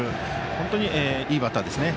本当にいいバッターですよね。